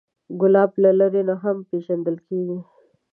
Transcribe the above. ګلاب له لرې نه هم پیژندل کېږي.